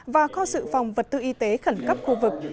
và kho sự phòng vật tư y tế khẩn cấp khu vực